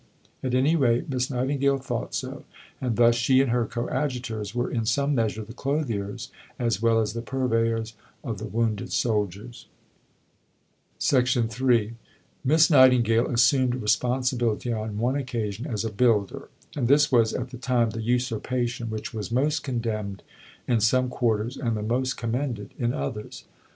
At any rate Miss Nightingale thought so; and thus she and her coadjutors were in some measure the clothiers as well as the purveyors of the wounded soldiers. For a reference to this matter by Miss Nightingale, see below, p. 224. III Miss Nightingale assumed responsibility on one occasion as a builder, and this was at the time the usurpation which was most condemned in some quarters and the most commended in others.